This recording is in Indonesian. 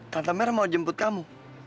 tante merah mau jemput kamu